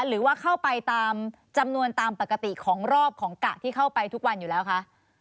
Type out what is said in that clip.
หรือว่าเข้าไปตามจำนวนตามปกติของรอบของกะที่เข้าไปทุกวันอยู่แล้วคะ